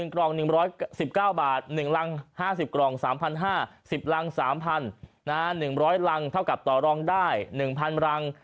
๑กลอง๑๑๙บาท๑รัง๕๐กลอง๓๕๐๐บาท๑๐รัง๓๐๐๐บาท๑๐๐รังเท่ากับต่อรองได้๑๐๐๐บาท